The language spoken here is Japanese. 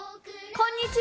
こんにちは。